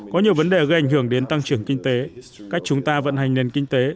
có nhiều vấn đề gây ảnh hưởng đến tăng trưởng kinh tế cách chúng ta vận hành nền kinh tế